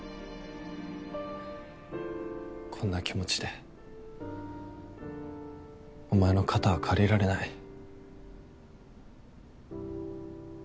こんな気持ちでおまえの肩は借りられない。